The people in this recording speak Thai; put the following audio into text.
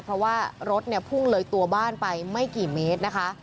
เพราะว่ารถเนี่ยพุ่งเลยตัวบ้านไปไม่กี่เมตรนะคะ